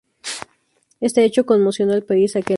Este hecho conmocionó al país aquel año.